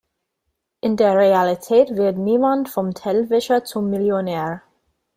In der Realität wird niemand vom Tellerwäscher zum Millionär.